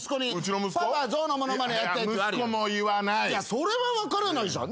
それは分からないじゃん